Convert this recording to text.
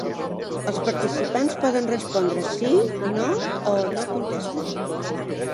Els participants poden respondre “Sí”, “No” o “No contesta”.